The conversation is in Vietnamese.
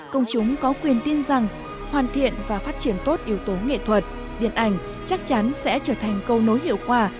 công chúng có quyền tin rằng hoàn thiện và phát triển tốt yếu tố nghệ thuật điện ảnh chắc chắn sẽ trở thành câu nối hiệu quả